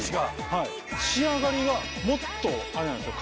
はい仕上がりがもっとあれなんですよ